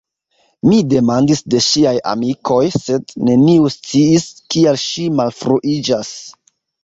Mi demandis de ŝiaj amikoj, sed neniu sciis, kial ŝi malfruiĝas.